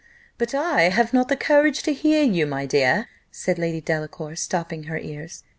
"But I have not the courage to hear you, my dear," said Lady Delacour, stopping her ears.